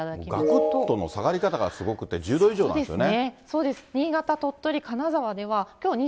がくっとの下がり方がすごくて、１０度以上なんですよね。